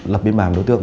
lập biên bản đối tượng